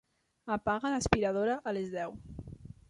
Apaga l'aspiradora a les deu.